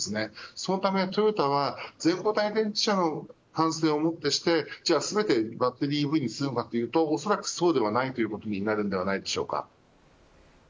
そのためトヨタは全固体電池車の完成をもってしてすべてバッテリすＥＶにするかというとおそらくそうではないということなるのではないでしょうか。